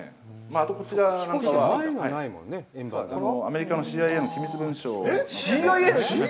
あと、こちらなんかは、アメリカのＣＩＡの秘密文書なんですよね。